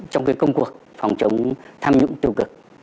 trong công cuộc phòng chống tham nhũng tiêu cực